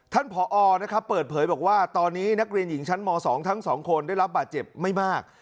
ผอนะครับเปิดเผยบอกว่าตอนนี้นักเรียนหญิงชั้นม๒ทั้ง๒คนได้รับบาดเจ็บไม่มาก